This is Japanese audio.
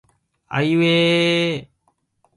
あいうえええええええ